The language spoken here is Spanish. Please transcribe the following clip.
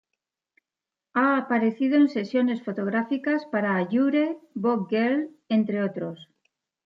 Ha aparecido en sesiones fotográficas para "Allure", "Vogue Girl", entre otros...